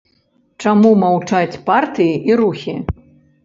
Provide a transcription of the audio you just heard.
Чаму маўчаць партыі і рухі?